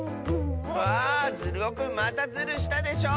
わあズルオくんまたズルしたでしょ！